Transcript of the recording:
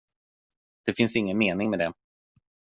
Det finns ingen mening med det.